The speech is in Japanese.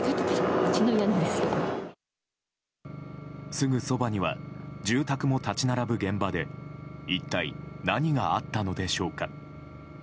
すぐそばには住宅も立ち並ぶ現場で一体、何があったのでしょうか。